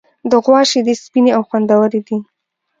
د غوا شیدې سپینې او خوندورې دي.